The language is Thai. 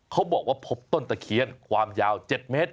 เขาบอกว่าพบต้นตะเคียนความยาว๗เมตร